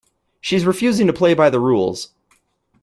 She is refusing to play by the rules.